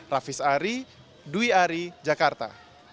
raffis ari dwi ari jakarta